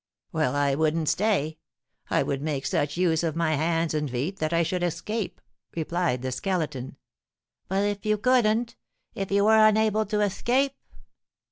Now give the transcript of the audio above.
"Well, I wouldn't stay; I would make such use of my hands and feet that I should escape," replied the Skeleton. "But if you couldn't, if you were unable to escape?"